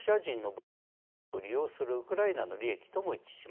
武装組織を利用するウクライナの利益とも一致します。